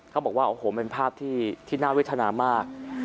เขาบอกว่าโอ้โหเป็นภาพที่น่าเวทนามาก